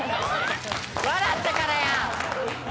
笑ったからや！